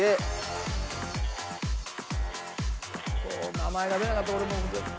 名前が出なかった俺も。